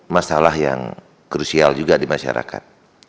masalah yang krusial juga di masyarakat